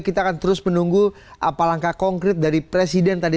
kita akan terus menunggu apa langkah konkret dari presiden tadi